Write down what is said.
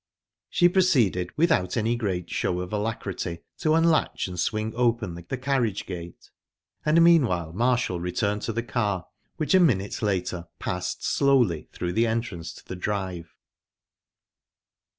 She proceeded, without any great show of alacrity, to unlatch and swing open the carriage gate, and meanwhile Marshall returned to the car, which a minute later passed slowly through the entrance to the drive.